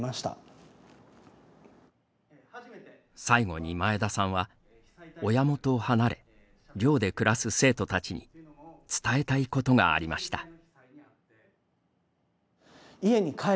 最後に前田さんは親元を離れ寮で暮らす生徒たちに伝えたいことがありました。